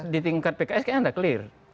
di tingkat pks kayaknya nggak clear